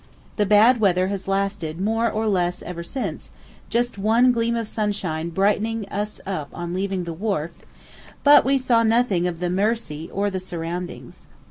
The bad weather has lasted more or less ever since, just one gleam of sunshine brightening us up on leaving the wharf, but we saw nothing of the Mersey or the surroundings.